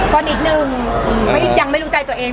ก็นิดนึงยังไม่รู้ใจตัวเอง